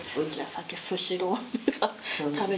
さっきスシローでさ食べてきた。